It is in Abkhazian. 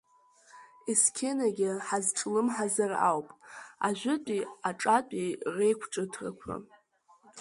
Есқьынагьы ҳазҿлымҳазар ауп, ажәытәи аҿатәи реиқәҿыҭрақәа.